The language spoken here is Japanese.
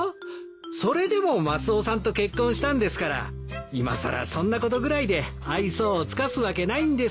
それでもマスオさんと結婚したんですからいまさらそんなことぐらいで愛想を尽かすわけないんですよ。